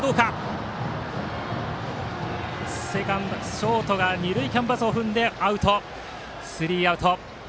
ショートが二塁キャンバスを踏んでスリーアウト。